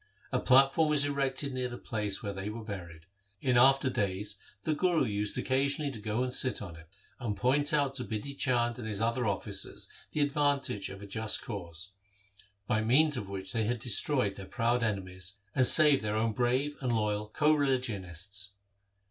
A platform was erected near the place where they were buried. In after days the Guru used occasionally to go and sit on it, and point out to Bidhi Chand and his other officers the advantages of a just cause, by means of which they had destroyed their proud enemies, and saved their own brave and loyal co religionists.